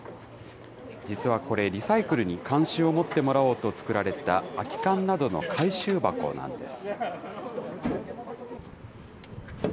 実はこれ、リサイクルに関心を持ってもらおうと作られた空き缶などの回収箱なんです。